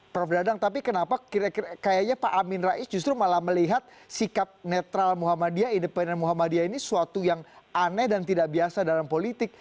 prof dadang tapi kenapa kayaknya pak amin rais justru malah melihat sikap netral muhammadiyah independen muhammadiyah ini suatu yang aneh dan tidak biasa dalam politik